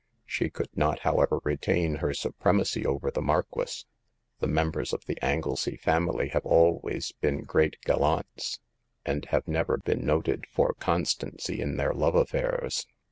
She could not, however, retain her supremacy over the Marquis. The members of the Anglesey family have always been great gallants, and have never been noted for constancy in their love affairs.